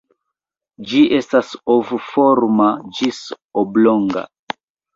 Ĝi estas ov-forma ĝis oblonga.